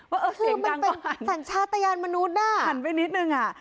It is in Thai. ว่าเอ่อเสียงดังก็หันหันไปนิดนึงอ่ะคือมันเป็นสัญชาติตะยานมนุษย์น่ะ